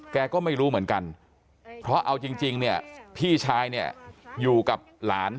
แกก็ไม่รู้เหมือนกันเพราะเอาจริงเนี่ยพี่ชายเนี่ยอยู่กับหลาน